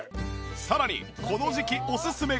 さらにこの時期おすすめが